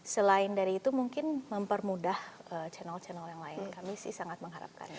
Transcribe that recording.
selain dari itu mungkin mempermudah channel channel yang lain kami sih sangat mengharapkan